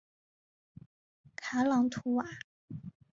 卡朗图瓦。